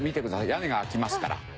屋根が開きますから。